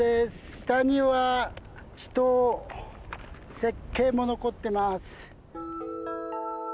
下には池塘雪渓も残ってます。